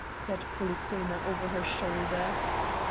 said Polyxena over her shoulder.